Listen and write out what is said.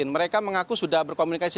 mereka mengaku sudah berkomunikasi